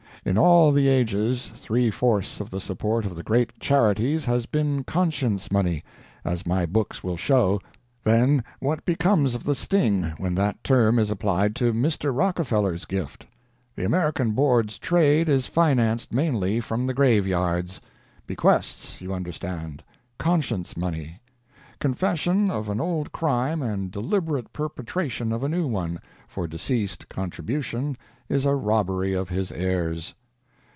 In all the ages, three fourths of the support of the great charities has been conscience money, as my books will show: then what becomes of the sting when that term is applied to Mr. Rockefeller's gift? The American Board's trade is financed mainly from the graveyards. Bequests, you understand. Conscience money. Confession of an old crime and deliberate perpetration of a new one; for deceased's contribution is a robbery of his heirs.